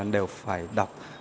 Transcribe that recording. đều phải đọc